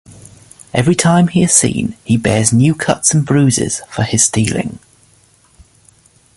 Every time he is seen, he bears new cuts and bruises for his stealing.